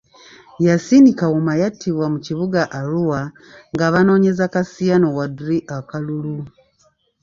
Yassin Kawuma yattibwa mu kibuga Arua nga banoonyeza Kassiano Wadri akalulu.